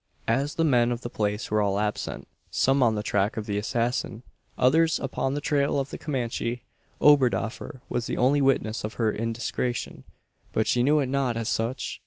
As the men of the place were all absent some on the track of the assassin, others upon the trail of the Comanche, Oberdoffer was the only witness of her indiscretion. But he knew it not as such.